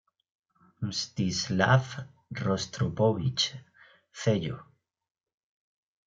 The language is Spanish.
Mstislav Rostropóvich, cello.